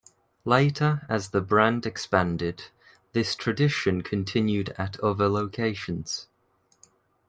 Later, as the brand expanded, this tradition continued at other locations.